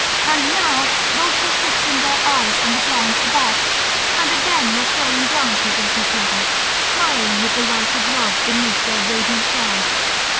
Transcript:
And now both were fixing their eyes on the ground abashed, and again were throwing glances at each other, smiling with the light of love beneath their radiant brows.